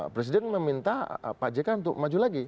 presiden meminta pak jk untuk maju lagi